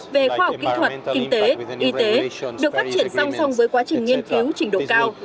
về khoa học kỹ thuật kinh tế y tế được phát triển song song với quá trình nghiên cứu trình độ cao